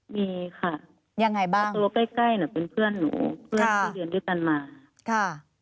มีค่ะโต๊ะใกล้เป็นเพื่อนหนูเพื่อนที่เดินด้วยกันมา